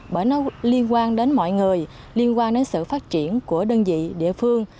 bởi nó liên quan đến mọi người liên quan đến sự phát triển của đơn vị địa phương